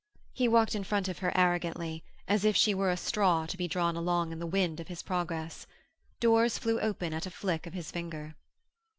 He walked in front of her arrogantly, as if she were a straw to be drawn along in the wind of his progress. Doors flew open at a flick of his finger.